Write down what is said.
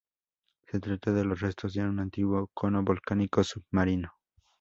Se trata de los restos de un antiguo cono volcánico submarino.